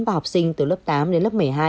và học sinh từ lớp tám đến lớp một mươi hai